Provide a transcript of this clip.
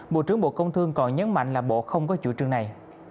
bộ trưởng bộ công thương còn nhấn mạnh là bộ không có chủ trương này